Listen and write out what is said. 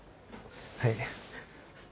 はい。